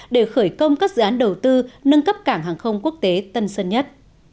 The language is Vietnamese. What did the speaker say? để khởi công các dự án đầu tư nâng cấp cảng hàng không quốc tế tân sơn nhất